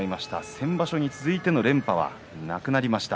先場所に続いての連覇はなくなりました。